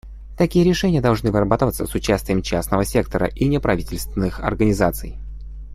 Такие решения должны вырабатываться с участием частного сектора и неправительственных организаций.